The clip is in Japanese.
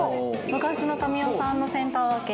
昔の民生さんのセンター分け。